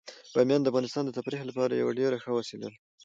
بامیان د افغانانو د تفریح لپاره یوه ډیره ښه وسیله ده.